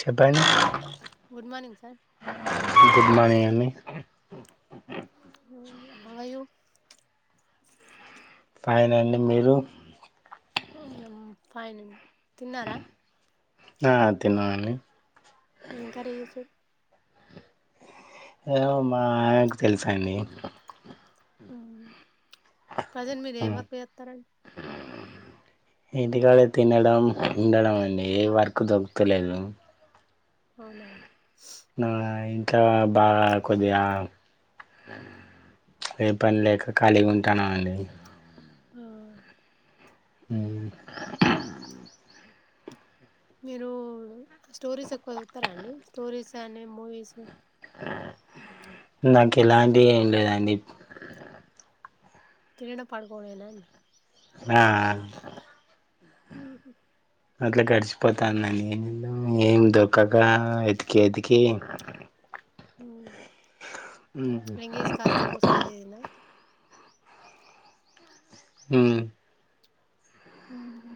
చెప్పండి good morning sir good morning అండి హు హౌ ర్ యూ ఫైన్ అండి మీరు అవునా ఫైన్ అండి తిన్నారా ఆ తిన్నానండి ఏం కర్రీ చేసారు ఏమో మా ఆమెకు తెలుసా అండి హు ప్రెసెంట్ మీరు ఏం వర్క్ చేస్తారండి ఇంటికడ తినడం ఉండడం అండి ఏ వర్క్ దొరుకుతలేదు ఆవునా నా ఇంకా బాగా కొద్దిగా ఏ పని లేక ఖాళీగా ఉంటాన అండి ఆ హు మీరు స్టోరీస్ ఎక్కువ సుతారా అండి స్టోరీస్ అని మూవీస్ నాకు ఎలాంటి ఏం లేదండి తినడం పడుకోవడమేనండి ఆ ఉహు అట్లా గడిచిపోతుందండి ఏం చేదాం ఏం దొరుకగా వెతికి వెతికి ఉమ్, యంగ్ ఏజ్ కాస్తా ముసలి ఏజ్ అయిందా ఉహు ఆహా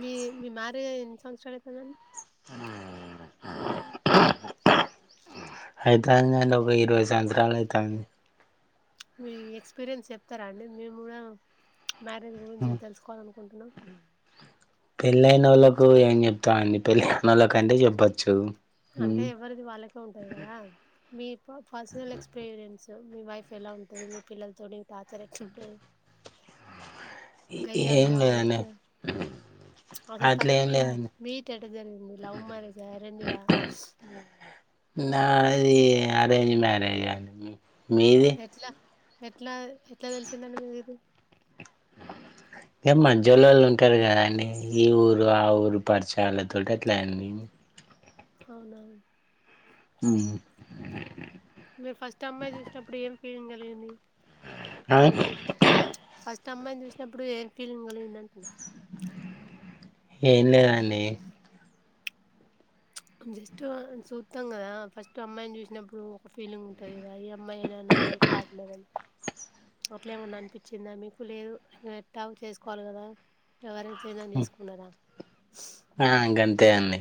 మీ మీ మ్యారేజ్ అయి ఎన్ని సంవత్సరాలు అయితాందండి [inaudible] అయితాందండి ఒక ఇరువై సంవత్సరాలు అయితాంది మీ ఎక్స్పీరియన్స్ చెప్తారా అండి మేము కూడా మ్యారేజ్ గురించి తెలుసుకోవాల అనుకుంటున్నాం పెళ్ళైన ఓళ్ళలకు ఏం చెప్తాండి పెళ్లి కానోలా కంటే చెప్పొచ్చు అంటే ఎవరిది వాళ్ళకే ఉంటది కదా మీ పర్సనల్ ఎక్స్పీరియన్స్ మీ వైఫ్ ఎలా ఉంటది మీ పిల్లలతోనే టార్చర్ ఎట్లు ఉంటుంది ఎ ఏంలేదండి. అసలు ఫస్ట్ మీ మీట్ ఎట్ట జరిగింది? Love marriage? అరేంజ్డ్ ఆ? నాది అరేంజ్ మ్యారేజ్ అన్ని ఎట్లా ఎట్లా ఎట్లా తెలిసిందండి? మీ ఇది. ఇ మధ్యలోళ్ళు ఉంటారు కదండి, ఈ ఊరు, ఆ ఊరు పరిచయాలతోటి అట్ల అందింది. అవునా! మ్ మీర్ ఫస్ట్ అమ్మాయి చూసినప్పుడు, ఏం ఫీలింగ్ కలిగింది? నాదె ఫస్ట్ అమ్మాయిని చూసినప్పుడు ఏర్ ఫీలింగ్ కలిగింది అంటున్న. ఏం లేదండి. జస్ట్ సుత్తం కదా ఫస్ట్ అమ్మాయిని చూసినప్పుడు ఒక ఫీలింగ్ ఉంటుంది కదా! ఈ అమ్మాయేనా నా నా లైఫ్ పార్ట్నర్ అని. అట్లేమన్నా అనిపించిందా మీకు? లేదు ఇంగ ఎట్టాగో చేసుకోవాలి కదా ఎవరైతేనన్ చేసుకున్నా? ఆ ఇంకంతే అండి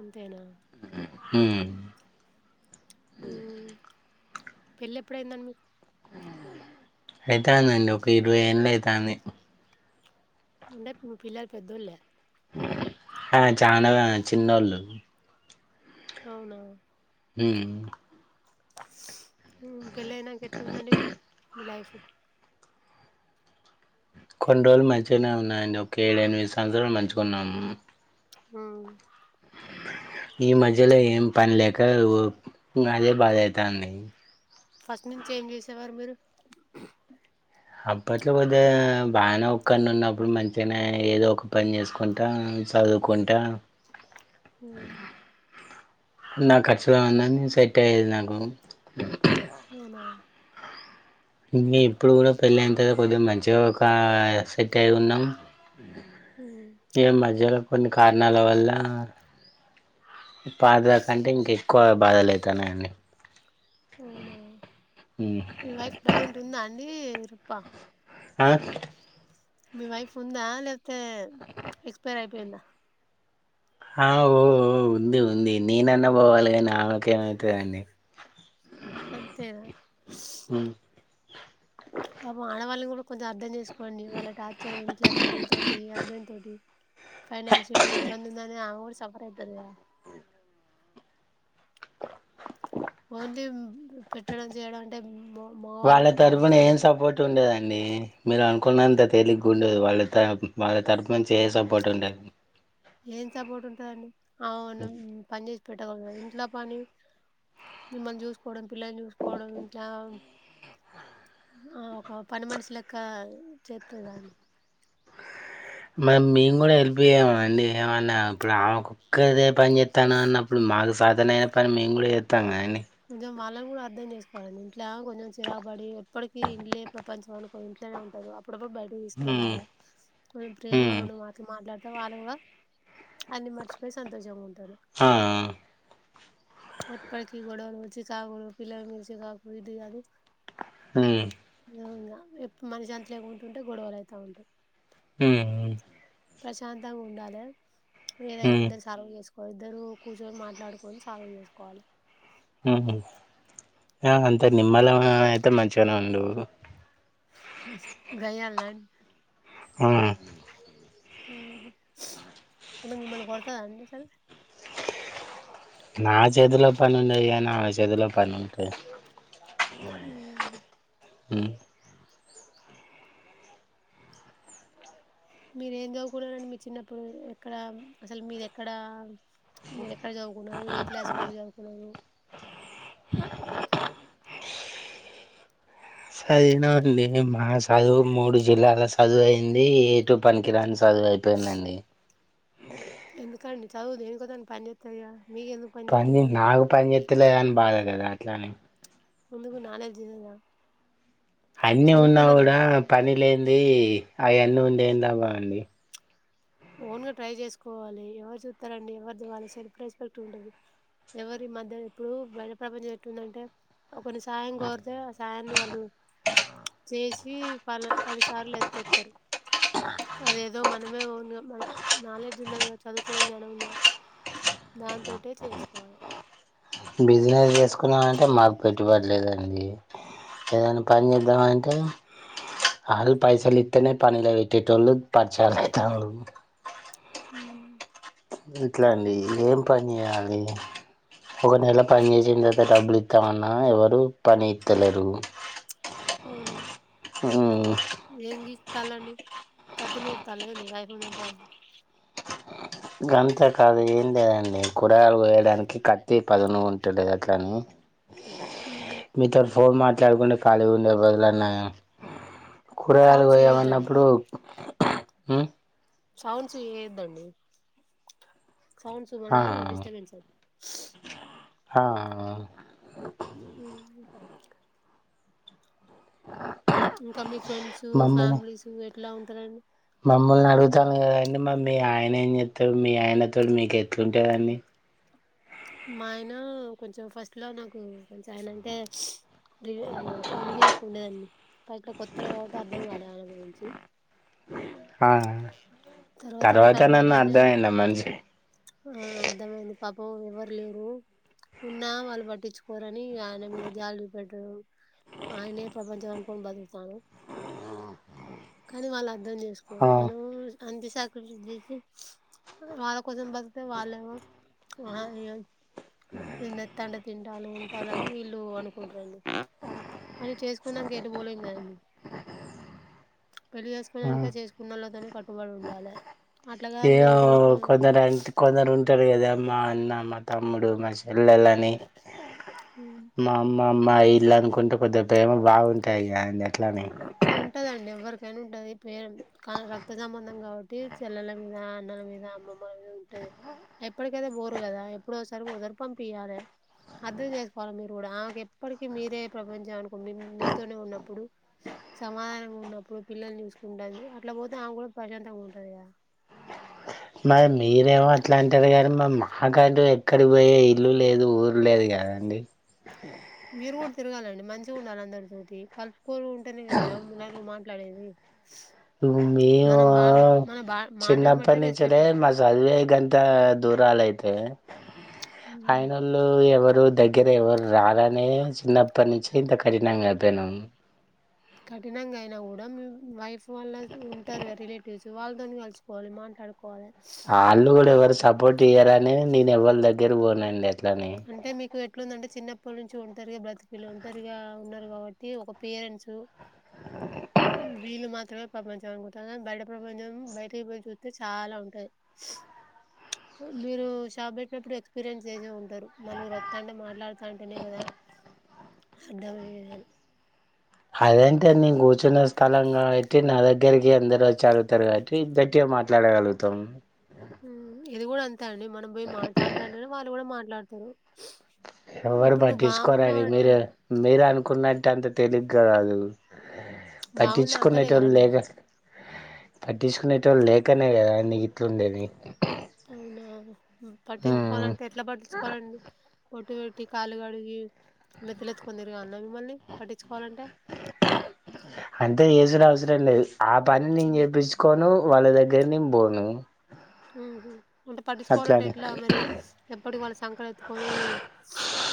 అంతేనా మ్ పెళ్లి ఎప్పుడైందండి మీకు? అయితాందండి. ఒక ఇరవై ఏంన్లు అయితంది. ఉండద్ మీ పిల్లలు పెద్దోళ్లే. హ చాన దాన చిన్నోళ్లు. అవునా మ్ మ్ పెళ్ళయినంక ఎట్లుందండి మీ లైఫ్? కొన్ని రోజులు మంచిగానే ఉన్నాయండి. ఒక ఏడు ఎనిమిది సంవత్సరాలు మంచిగున్నామ్. మ్ ఈ మధ్యలో ఏం పని లేక ఓ ఇంగదే బాదయితాంది. ఫస్ట్ నుంచి ఏం చేసేవారు మీరు? అప్పట్లో కొద్దిగ బాగానే, ఒక్కన్ ఉన్నప్పుడు మంచిగానే ఏదో ఒక పని చేసుకుంటా, సదువుకుంటా, ఓ నా ఖర్చులో ఉన్నన్ని సెట్ అయ్యేది నాకు. వూన ఇంకా ఇప్పుడు కూడా, పెళ్ళంతె కొద్దిగ మంచిగా ఒక సెట్ అయి ఉన్నాం. మ్మ్ ఈ మధ్యలో కొన్ని కారణాల వల్ల పాత కంటే ఇంక ఎక్కువ బాధలు అయితన్నాయండి. మీ వైఫ్ ప్రజెంట్ ఉందా అండి రుప్ప ఆ మీ వైఫ్ ఉందా, లేకపోతే ఎక్స్పైర్ అయిపోయిందా? ఆ ఓ ఒ ఉంది. ఉంది. నేనన్న పోవాలి గాని, ఆమెకేమయితదండి? అంతేనా పాపం ఆడవాళ్ళని కూడా కొంచెం అర్థం చేసు కోండి. వాళ్ళ టార్చర్ ఇంట్ల పిల్లల తోటి, హస్బెండ్ తోటి, ఫైనాన్షియల్ గా ఇబ్బంది ఉందని, ఆమె కూడ సఫర్ అయితదికదా! ఓన్లీ పెట్టడం, చేయడం అంటే, మో మోగవాళ్ళకే బాధ్యత ఉండ ట్ ఉండేదండి. మీరు అనుకున్నంత తేలిగ్ ఉండదు. వాళ్ళ త వాళ్ళ తరపునంచి ఏ సపోర్ట్ ఉండదు. ఏం సపోర్ట్ ఉంటందండి, అవును పని చేసి పెట్టగలనని ఇంట్ల పని మిమ్మల్ని చూసుకోవడం పిల్లలు చూసుకోవడం ఇంట్లా ఆ ఒక పని మనిషి లెక్క చేత్తది మ మేము కూడా హెల్ప్ చేయ్యమ అండి ఏమన్నా ఇప్పుడు ఆమెక్కొక్కదే పని చేత్తన అన్నప్పుడు మాకు సాతనైన పని మేము కూడా చేత్తం కద కొంచెం వాళ్ళని కూడా అర్థం చేసుకోవాలండి ఇంట్లో కొంచెం చిరాబడి ఎప్పడికీ ఇళ్లే ప్రపంచం అను ఇంట్లనే ఉంటారు అప్పుడప్పుడు బయట హ్మ్ తీసుకెళ్ళాల కొంచం ప్రేమగా హ్మ్ రొండు మాటలు మాట్లాడ ఇగ వాళ్లు కూడా అన్ని మర్చిపోయి సంతోషంగా ఉం ఆ ఆ ఇప్పటికీ గొడవలు చికాకులు పిల్లమిద చికాకు ఇది అది ఉమ్ ఇంగా ఎప్పుడు మన శాంతి లేకుంటుంటే గొడవలయిత ఉంటాయి ఉమ్ ఉమ్ ప్రశాంతంగా ఉండాలే ఏదైనా హ్మ్ ఇద్దరు సల్వ్ చేసు ఇద్దరు కూర్చొని మాట్లాడుకొని సాల్వ్ చేసుకోవాలే ఉహు ఆమె అంత నిమ్మలమె అయితే మంచిగానే ఉండు గయ్యాళిదాం ఉమ్ అంటే మిమ్మల్ని కొడతదా అండీ అసలు నా చేతిలో పని ఉండేది కానీ ఆమె చేతిలో పని ఉంటది హ్మ్. ఉమ్ మీరేం చదువుకున్నారండి మీ చిన్నప్పుడు ఎక్కడ అసలు మీదెక్కడ మీరు ఎక్కడ చదువుకున్నారు ఏ క్లాస్ వరకు చదువుకున్నారు సదినామండి మా చదువు మూడు జిల్లాల చదువు అయింది ఏటు పనికిరాని చదు సదువైయిపోయిందండి ఎందుకండి చదువు దేనికో దానికి పనిచెత్తది కదా పని నాకు పని చేత్తలేదని బాధ కదా అట్లాని ఉందుకు నాలడ్జ్ లేదా అన్ని ఉన్నా చదువుకున్నారుగా కూడా పని లేంది అయన్నీ ఉండి ఏం లాభం అండీ ఓన్ గా ట్రై చేసుకోవాలి ఎవరు చూత్తరండి ఎవరు వాళ్ళు సెల్ఫ్ రెస్పెక్ట్ ఉంటంది ఎవరి మధ్య ఎప్పుడు బయడ ప్రపంచం ఎట్టుందంటే ఒకరిని సాయం కోరితే ఆ సాయాన్ని వాళ్ళు చేసి పల పదిసార్ల ఎత్తేత్తరు అదేదో మనమే ఒన్గా మన నాలెడ్జ్ ఉండదు కదా చదువుకోవడం జ్ఞనం ఉందిగా దాంతోటే చేసుకోవాలే బిజినెస్ చేసుకున్నామంటే మాకు పెట్టుబడి లేదండి ఏదైనా పని చేేద్దామంటే అలు పైసలు ఇత్తేనే పనిల పెట్టెటోళ్ళు తరిచా ఇత్తండ్లు ఉం ఎట్ల అండి ఏం పని చేయాలి ఒక నెల పని చేసిన తర్వాత డబ్బులు ఇత్తమన్నా ఎవరు పని ఇత్తలేరు అవునా యంగీ తల్లండి కత్తి నూరుతల్ల ఎంది వైఫ్ ని చంపడానికి గంతకాదు ఏం లేదండి కూరలు కొయడానికి కత్ ఎ పదను ఉంటుంది గట్లని ఉహు ఫోన్ మాట్లాడుకుండ ఖాళీ ఉండెబదులనయం కూరగాయలు సౌండ్స్ చేయొద్దండి పోయమన్నప్పుడు ఉమ్ సౌండ్స్ చెయ్యద్దండి సౌండ్స్ మళ్ళ ఆ డిస్టబెన్స్ హా అయితది. ఇంకా మీ ఫ్రెండ్స్వు మమ్మల్ని ఫ్యామిలీసు ఎట్లా ఉంటారండి మమ్మల్ని అడుగుతావే మీ ఆయన ఎజెత్తడు మీ ఆయనతో మీకు ఎట్లుంటదండి మా ఆయన కొంచెం ఫస్ట్ లో నాకు కొంచెం ఆయన అంటే ఆయన అంటే ఎనిమి లెక్క ఉండేదండి పైక కొత్త కావట్టి అర్థం గాలె ఆయన గురించి ఆ తర్వాత నన్న అర్థ అయింద మనిషి ఆ అర్థమైంది పాపం ఎవరు లేరు ఉన్నా వాళ్ళు పట్టించుకోర ని ఆయన మీద జాలి పడం ఆయనే ప్రపంచం అను కొని బతుకుతానం కాని వాళ్ళు అర్థం ఆ జేస్కోరు మనం అంత సెకిర్ జేసి వాళ్ళ కోసం బతుక్తె వాళ్ళేమో ఇయన తెంతాండు తింటాలు ఉంటాలు అని వీళ్ళు అనుకుంట్రు అండి కానీ చేసుకున్నానంక ఎటు పోలేం కదండి పెళ్ళి ఆ చేస్కునంక చేస్కున్నళతోనే కట్టుబడి ఉండాలె ఏ ఓ కొందరు అంటె కొందరు ఉంటరు గదా మా అన్న మా తమ్ముడు మా చెల్లెలని మా అమ్ మ మా అమ్మా ఇల్లు అనుకుంటు కొద్ది ప్రేమ బావుంటాయి గా అండి అట్లానే ఉంటదండి ఎవరికైనా ఉంటది ప్రెమ్ కాని రక్త సంబంధం కావ చెల్లల మీద అన్నల మీద అమ్మమ్మల మీద ఉంటది ఎప్పట్ కైతే బోరు కదా ఎప్పుడు ఒసార్ ఒసారి పంపియాలె అర్థం చేసుకోవాలి మీరు కూడా ఎప్పటికిీ మీరే ప్రపంచం అనుకోని మీతోనే ఉన్నప్పుడు సమాధానంగా ఉన్నప్పుడు పిల్లలు చూసుకుంటాంది అట్లా బోతే ఆమె కూడా ప్రశాంతంగా ఉంటది కదా మీరేమో అట్లా అంటారు కానీ మా మహాకార్డు ఎక్కడి పోయే ఇల్లు లేదు ఊరు లేదు కదండి అ తిరుగు తిరగాలండి మంచిగా ఉండాలి అందరితోటి కలుపుకోలు ఉంటేనే కదా నలుగురు మాట్లాడేది మేము మనం బా మన బా మాటను బట్టే చిన్నప్పట్నించి అదే రెస్పెక్ట్ ఇ- మా చదువులే గంత దూరాల అయితే ఉమ్. ఆయనోళ్ళు ఎవరు దగ్గరకి ఎవ్వరు రారనేే చిన్నప్పట్నించి ఇంత కఠినంగా అయిపోయినం కఠినంగా అయినా గూడా వైఫ్ వల్ల ఉంటారు రిలేటివ్స్ వాళ్ళతోని కలిసిపోవాలి మాట్లాడుకోవాలె ఎవ్వల్ దగ్గర బోనండి అంటే మీకు ఎట్లుందంటే చిన్నప్పట్నించి ఒంటరిగా బ్రతుకులు ఒంటరిగా ఉన్నారు కావట్టి ఒక పేరెంట్స్ అ వీళ్ళు మాత్రమే ప్రపంచం అనుకుంటాన బయట ప్రపంచం బయటికి బోయి చుత్తే చాలా ఉంటంది మీరు షాప్ పెట్టినప్పుడు ఎక్స్పీరియన్స్ చేసే ఉంటారు నలుగురు వొత్తాంటే మాట్లాడతాంటేనే కదా అర్థమయ్యేదని అదేంటే నేను కూర్చున్న స్థలం లో అయితే నా దగ్గరికి అందరు వచ్చి అడుగుతారు కావట్టి పెట్టం మాట్లాడగలుగుతాం హ్మ్. ఇది కూడా అంతే అండి మనం పోయి మాట్లాడతంటనే వాళ్ళు కూడా మాట్లాడతారు ఎవరు ఇప్పుడు నువ్వు బాగున్నావు పట్టించుకోరాండి మీరు అంటేనే మీరు అనుకున్న ట అంత తెలిగ్గా బాగున్నా అంటేనే పట్టించుకునేటోళ్లు గదండి లేరు పట్టించుకుంటోళ్ళు లేకనే గదండి ఇట్లు ఉండేది అవునా ఉమ్ పట్టించుకోవాలంటే ఎట్లా పట్టించుకోవాలండి బొట్టు పెట్టి కాలు కడిగి నేతిలెత్తుకొని తిరగాల్న మిమ్మల్ని పట్టి అంటే ఏజులో అవసరం లేదు ఆ పని నేను హ్మ్. జేప్పించుకోను వాళ్ళ దగ్గర్ నీన్ బోను ఊహు అంటే పట్టిచ్కోవాలంటే ఎట్లా మరి ఎప్పటిక్ వాళ్ళ సంకన ఎత్తుకొనీ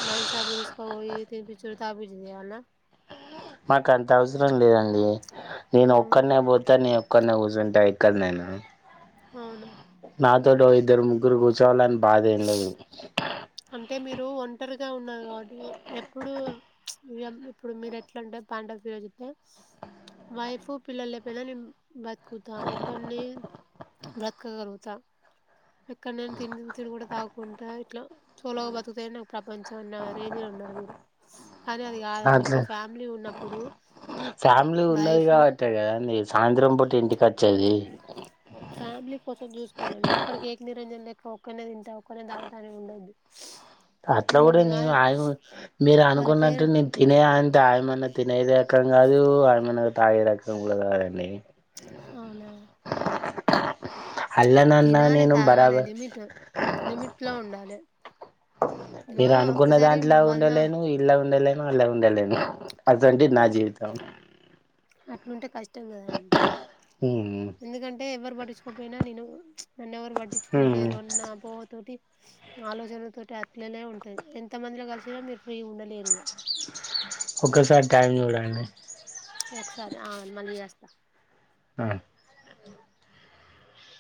వైన్ షాప్ తీసు పోయి తినిపిచుడు తాపీచుడు చేయాల్నా మాకు అంత అవసరం లేదండి నేను ఆ! ఒక్కనే పోత నేను ఒక్కనే ఊజున్ టా ఇక్కడ్ నేను అవునా? నాతోడు ఇద్దరు ముగ్గురు కూచొవలన్ బాధేం లేదు అంటే మీరు ఒంటరిగా ఉన్నారు గాబట్టి ఎప్పుడూ ఈ యమ్ ఇప్పుడు మీరు ఎట్లంటే [unintelligible] వైఫ్ పిల్లల్ లేపేనా నీన్ బతుకుతా ఒక్కన్నీ బ్రతకగలుగుతా ఎక్కడ్ నేన్ తిండ్ తిరుగుడ తాగ్కుంటా ఇట్లా సోలోగా బతుకుతేనే ప్రపంచమన్న రేంజ్ లో ఉన్నారు మీరు కానీ అది గాదండి అట్లా ఒక ఫ్యామ్లీ ఉన్నప్పుడు ఫ్యామిలీ ఉన్నది లైఫ్ కాబట్టే కదా అండి సాయంత్రం పూట ఇంటికి అచ్చేది ఫ్యామ్లీ కోసం చూసుకోవాలండి ఎప్పడికి ఏక్ నిరంజన్ లెక్క ఒక్కనే తింటా ఒక్కడ్నే దాగుతా అనేది ఉండద్దు అట్లా గుడా నీను ఆయహు మీరు వాళ్ళ అనుకున్నట్టు పేరెంట్ నీన్ తినే అంత ఆయమన్న తినేదే క్కగ్ గాదు ఆయమ్మను తాగే రకం గూడా కాదండి అవునా అల్లనన్నా తినాలే నేను తాగాలే బరాబర్ లిమిట్ లిమిట్ లో ఉండాలే మీరు అనుకున్న దాంట్లా వంద ఉండలేను ఇలా ఉండలేను అలా ఉండలేను అదండి నా జీవితం అనుంటే కష్టం గదా అండి ఉమ్ ఎందుకంటే ఎవరు పట్టించ్కో పోయినా నీను నన్ ఎవరు ఉమ్ పట్టిచ్కుంట్లేరు అన్న అపోహ తోటి ఆలోచన తోటి అట్లేనే ఉంటది ఎంత మందిలో కల్సినా మీరు ఫ్రీ ఉండలేరుగా టైమ్ జూడండి ఓక్సారి ఆ మళ్ళీ చేస్తా ఆ